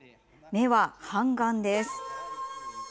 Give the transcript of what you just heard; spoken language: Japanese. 目は、半眼です。